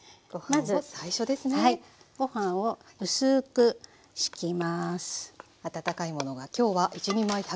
まずはいご飯を薄く敷きます。